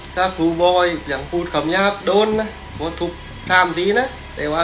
สั่งหูบ่อยสั่งหูคำยาบโดนทำอะไร